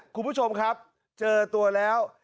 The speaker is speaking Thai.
คุณผู้ชมครับเจอตัวแล้ว